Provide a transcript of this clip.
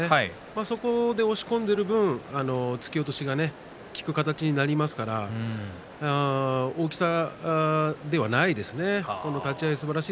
あそこで押し込んでいる分突き落としが効く形になりますから大きさではないですね。